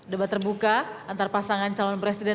debat terbuka antar pasangan calon presiden